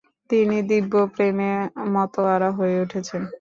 তিনি দিব্যপ্রেমে মাতোয়ারা হয়ে উঠেছেন।